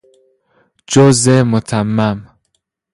جزء متمم